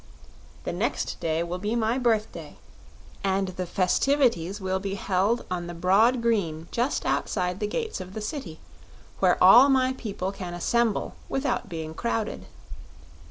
The next day will be my birthday, and the festivities will be held on the broad green just outside the gates of the City, where all my people can assemble without being crowded."